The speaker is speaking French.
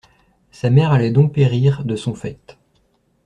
Sa mère allait donc périr, de son fait.